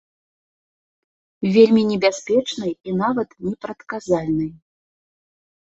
Вельмі небяспечнай і нават непрадказальнай.